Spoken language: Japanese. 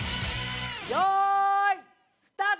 よいスタート！